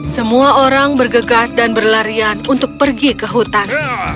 semua orang bergegas dan berlarian untuk pergi ke hutan